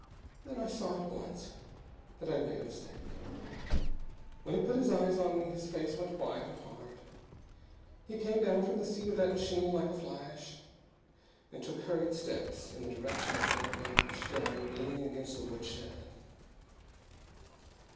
Then I saw, at once, that I had made a mistake. When he put his eyes on me his face went white and hard. He came down from the seat of that machine like a flash, and took hurried steps in the direction of a doublebarrelled gun leaning against the woodshed.